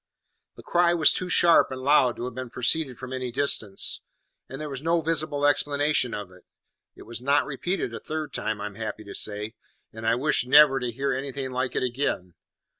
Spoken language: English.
The cry was too sharp and loud to have proceeded from any distance; and there was no visible explanation of it. It was not repeated a third time, I am happy to say; and I wish never to hear anything like it again.